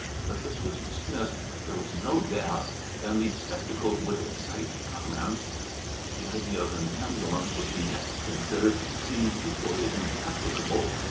But this was dismissed; there was no death! And the spectacle would excite comment. The idea of an ambulance, which he next considered, seemed equally impracticable.